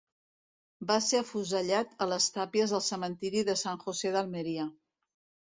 Va ser afusellat a les tàpies del cementiri de San José d'Almeria.